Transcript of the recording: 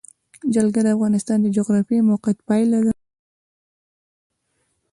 جلګه د افغانستان د جغرافیایي موقیعت پایله ده.